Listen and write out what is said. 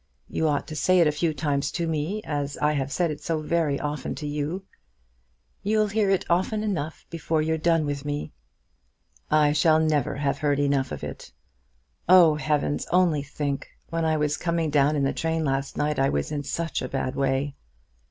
You ought to say it a few times to me, as I have said it so very often to you." "You'll hear enough of it before you've done with me." "I shall never have heard enough of it. Oh, Heavens, only think, when I was coming down in the train last night I was in such a bad way."